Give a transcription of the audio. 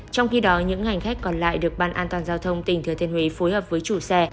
trong khi đó những hành khách còn lại được ban an toàn giao thông tỉnh thừa thiên huế phối hợp với chủ xe